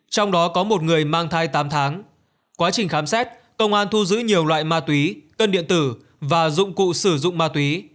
trong đó có một người mang thai tám tháng quá trình khám xét công an thu giữ nhiều loại ma túy cân điện tử và dụng cụ sử dụng ma túy